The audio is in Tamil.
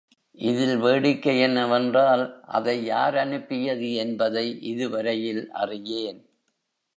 இதில் வேடிக்கை என்னவென்றால், அதை யார் அனுப்பியது என்பதை இதுவரையில் அறியேன்!